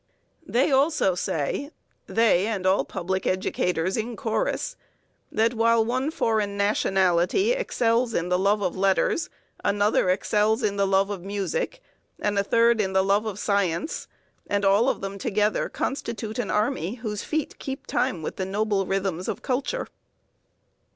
They also say, they and all public educators in chorus, that while one foreign nationality excels in the love of letters, another excels in the love of music, and a third in the love of science; and all of them together constitute an army whose feet keep time with the noble rhythms of culture.